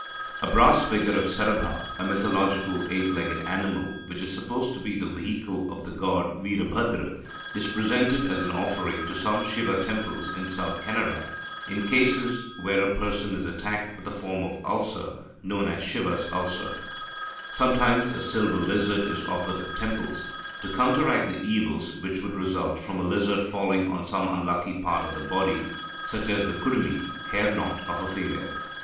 A brass figure of Sarabha, a mythological eight legged animal, which is supposed to be the vehicle of the god Virabhadra, is presented as an offering to some Siva temples in South Canara in cases where a person is attacked with a form of ulcer known as Siva's ulcer. Sometimes a silver lizard is offered at temples, to counteract the evils which would result from a lizard falling on some unlucky part of the body, such as the kudumi (hair knot) of a female.